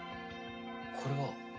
これは。